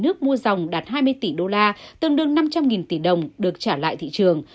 nước mua dòng đạt hai mươi tỷ đô la tương đương năm trăm linh tỷ đồng được trả lại thị trường